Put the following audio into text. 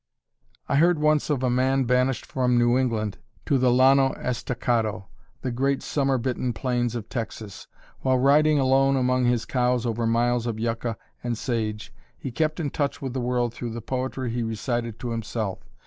I heard once of a man banished from New England to the Llano Estacado, the great summer bitten plains of Texas. While riding alone among his cows over miles of yucca and sage he kept in touch with the world through the poetry he recited to himself.